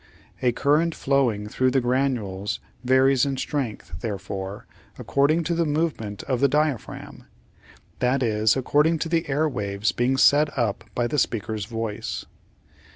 A current flowing through the granules varies in strength, therefore, according to the movement of the diaphragm, that is, according to the air waves being set up by the speaker's voice.